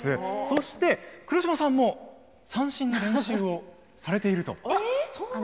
そして黒島さんも三線の練習をされていると。